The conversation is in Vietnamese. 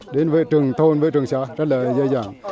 đến với trường thôn với trường xã rất là dễ dàng